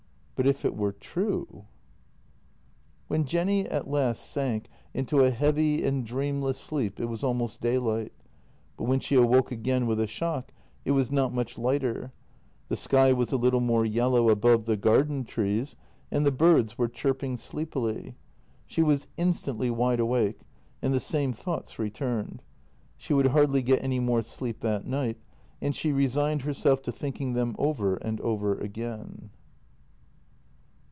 But if it were true. ... When Jenny at last sank into a heavy and dreamless sleep it was almost daylight, but when she awoke again with a shock, it was not much lighter. The sky was a little more yellow above the garden trees, and the birds were chirping sleepily. She was instantly wide awake, and the same thoughts returned; she would hardly get any more sleep that night, and sjie re signed herself to thinking them over and over again.